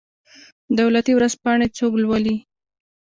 دولتي ورځپاڼې څوک لوالي؟